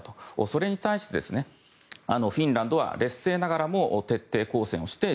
それに対してフィンランドは劣勢ながらも徹底抗戦をして